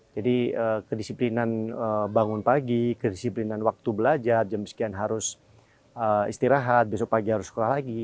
jadi kedisiplinan bangun pagi kedisiplinan waktu belajar jam sekian harus istirahat besok pagi harus sekolah lagi